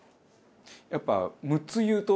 やっぱ６つ言うと。